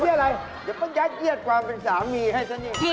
อย่ายัดเอียดความเป็นสามีให้ฉันเอง